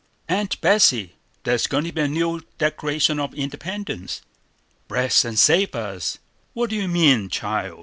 ] "Aunt Betsey, there's going to be a new Declaration of Independence." "Bless and save us, what do you mean, child?"